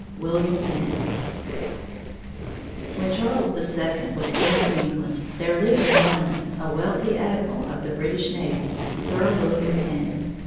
WILLIAM PENN When Charles the Second was King of England, there lived in London a wealthy admiral of the British navy, Sir William Penn.